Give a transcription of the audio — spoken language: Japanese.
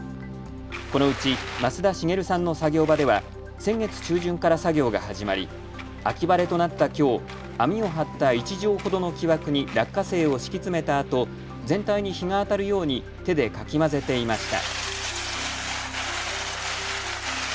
このうち増田繁さんの作業場では先月中旬から作業が始まり秋晴れとなったきょう、網を張った１畳ほどの木枠に落花生を敷き詰めたあと全体に日が当たるように手でかき混ぜていました。